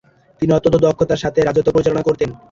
তিনি অত্যন্ত দক্ষতার সাথে রাজ্য পরিচালনা করতেন।